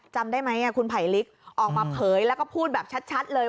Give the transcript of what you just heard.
จำได้ไหมคุณไผลลิกออกมาเผยแล้วก็พูดแบบชัดเลย